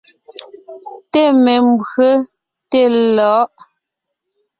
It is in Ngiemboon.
Té membÿe, té lɔ̌ʼ.